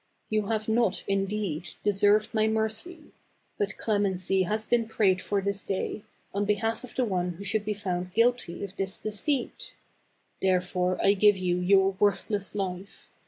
You have not, indeed, de served my mercy ; but clem ency has been prayed for this day, on behalf of the one who should be found 218 THE CAB AVAN. guilty of this deceit ; therefore I give you your worthless life.